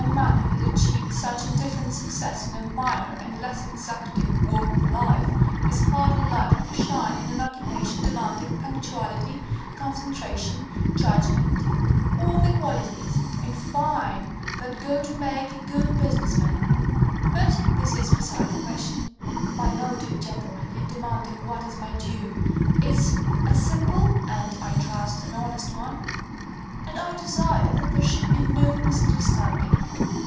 A man who has achieved such indifferent success in a minor and less exacting walk of life, is hardly likely to shine in an occupation demanding punctuality, concentration, judgment, all the qualities, in fine, that go to make a good business man. But this is beside the question. My motive, gentlemen, in demanding what is my due, is a simple and (I trust) an honest one, and I desire that there should be no misunderstanding.